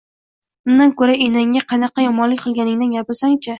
– Undan ko‘ra, egangga qanaqa yomonlik qilganingdan gapirsang-chi